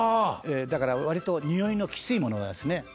「だから割とにおいのきついものですね」